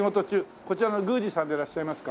こちらの宮司さんでいらっしゃいますか？